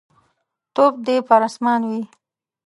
توف دي پر اسمان وي.